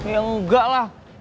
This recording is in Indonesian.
ya enggak lah